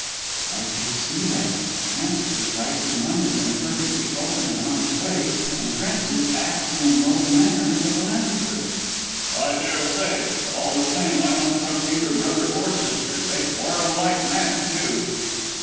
"I can't see that. Frances recites in London in a perfectly open and honest way, and Francis acts in a noble manner as a philanthropist." "I daresay. All the same, I don't trust either brother or sister: they quarrel like mad, too."